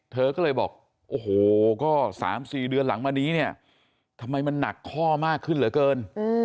เธอก็เลยบอกโอ้โหก็๓๔เดือนหลังมานี้เนี่ยทำไมมันหนักข้อมากขึ้นเหลือเกิน